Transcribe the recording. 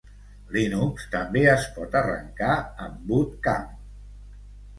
Linux també es pot arrancar amb Boot Camp.